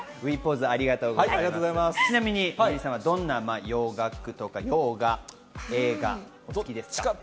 ちなみに藤井さんはどんな洋楽とか洋画、映画、好きですか？